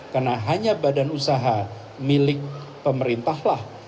karena hanya badan usaha milik pemerintahlah